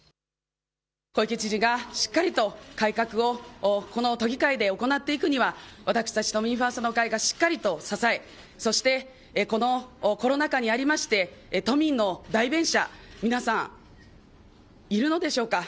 小池知事がしっかりと改革を、この都議会で行っていくには、私たち都民ファーストの会がしっかりと支え、そしてこのコロナ禍にありまして、都民の代弁者、皆さん、いるのでしょうか。